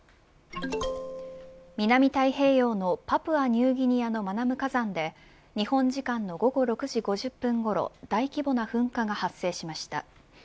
南太平洋のパプアニューギニアのマナム火山で、日本時間の午後６時５０分ごろ大規模な噴火が発生しました。